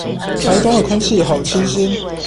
台東的空氣好清新